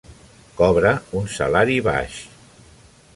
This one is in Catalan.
Cobra un salari baix.